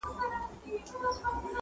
خپل، خپل، پردى په ډېرو نارو خپل.